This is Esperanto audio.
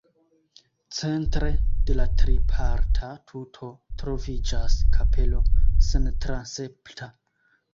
Centre de la triparta tuto troviĝas kapelo sentransepta.